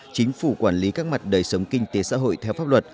chính phủ quản lý các mặt đời sống kinh tế xã hội theo pháp luật